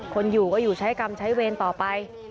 คนอยู่ก็อยู่ใช้กรรมใช้เวรต่อไป